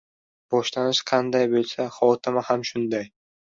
• Boshlanish qanday bo‘lsa, xotima ham shunday.